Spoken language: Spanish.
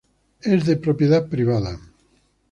Es de propiedad privada.